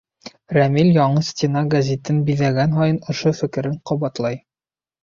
Рәмил яңы стена гәзитен биҙәгән һайын ошо фекерен ҡабатлай.